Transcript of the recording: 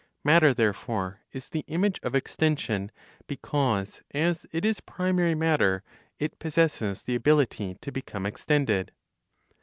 Matter therefore, is the image of extension, because as it is primary matter, it possesses the ability to become extended.